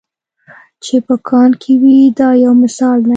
چې په کان کې وي دا یو مثال دی.